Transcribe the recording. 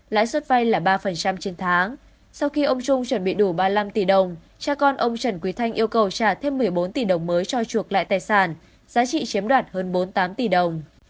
lãi suất vay là ba trên tháng sau khi ông trung chuẩn bị đủ ba mươi năm tỷ đồng cha con ông trần quý thanh yêu cầu trả thêm một mươi bốn tỷ đồng mới cho chuộc lại tài sản giá trị chiếm đoạt hơn bốn mươi tám tỷ đồng